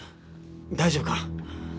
大丈夫か？